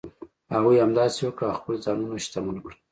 هغوی همداسې وکړل او خپل ځانونه شتمن کړل.